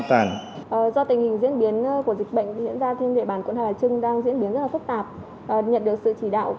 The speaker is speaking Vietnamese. do tình hình diễn biến của dịch bệnh diễn ra trên địa bàn quận hai bà trưng đang diễn biến rất là phức tạp